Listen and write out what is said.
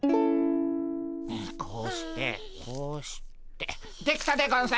こうしてこうしてできたでゴンス。